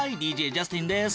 ＤＪジャスティンです。